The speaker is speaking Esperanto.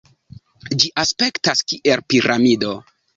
Ĝi aspektas kiel piramido.